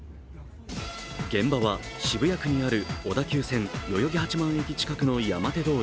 現場は渋谷区にある小田急線・代々木八幡駅近くの山手通り。